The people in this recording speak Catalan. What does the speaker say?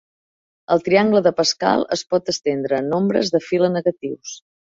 El triangle de Pascal es pot estendre a nombres de fila negatius.